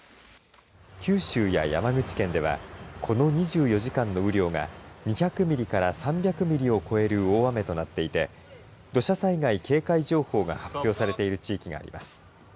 九州や山口県ではこの２４時間の雨量が２００ミリから３００ミリを超える大雨となっていて土砂災害警戒情報が発表されている地域があります。